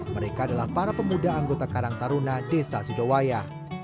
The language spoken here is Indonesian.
mereka adalah para pemuda anggota karang taruna desa sidowaya